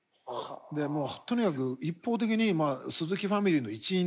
もうとにかく一方的に鈴木ファミリーの一員って思って。